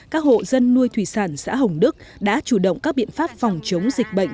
các hộ dân nuôi thủy sản xã hồng đức đã chủ động các biện pháp phòng chống dịch bệnh